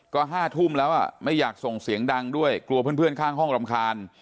ก็๕ทุ่มแล้วไม่อยากส่งเสียงดังด้วยกลัวเพื่อนข้างห้องรำคาญ